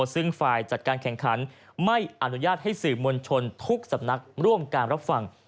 ซึ่งฝ่ายจัดการแข่งขันไม่อนุญาตให้สื่อมวลชนทุกสำนักร่วมการรับฟัง